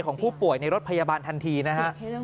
ของผู้ป่วยในรถพยาบาลทันทีนะฮะ